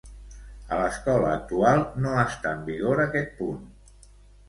A l'escola actual no està en vigor aquest punt.